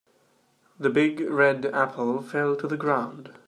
The big red apple fell to the ground.